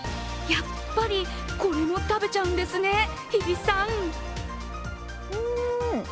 やっぱりこれも食べちゃうんですね、日比さん。